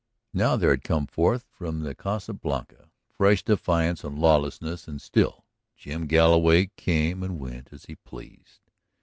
Now there had come forth from the Casa Blanca fresh defiance and lawlessness and still Jim Galloway came and went as he pleased.